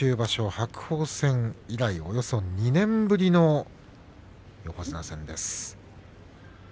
白鵬戦以来、およそ２年ぶりの横綱戦です。